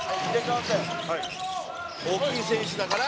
山崎：大きい選手だから。